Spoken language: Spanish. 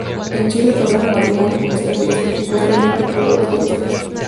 En Chile contrajo matrimonio con Mercedes Riesco, y posteriormente con Dolores Ballesteros.